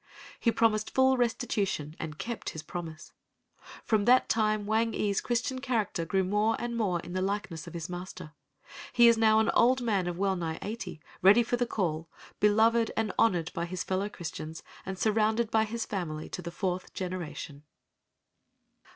He promised full restitution and kept his promise. From that time Wang ee's Christian character grew more and more in the likeness of his Master. He is now an old man of well nigh eighty, ready for the call—beloved and honored by his fellow Christians and surrounded by his family to the fourth generation.